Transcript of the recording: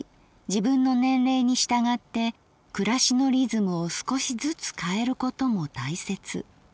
自分の年齢に従って暮しのリズムを少しずつ変えることも大切。